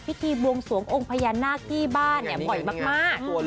พิธีบวงสวงองค์พญานาคที่บ้านบ่อยมาก